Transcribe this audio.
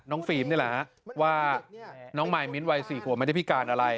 ฟิล์มนี่แหละฮะว่าน้องมายมิ้นท์วัย๔ขวบไม่ได้พิการอะไร